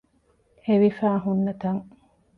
ހެވިފައި ހުންނަ ތަން